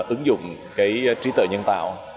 ứng dụng trí tờ nhân tạo